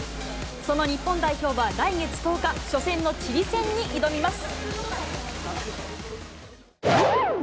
その日本代表は来月１０日、初戦のチリ戦に挑みます。